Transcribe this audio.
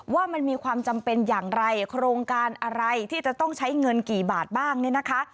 ว่ามันมีความจำเป็นอย่างไรโครงการอะไรที่จะต้องใช้เงินกี่บาทบ้างเนี่ยนะคะ